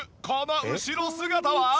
この後ろ姿は。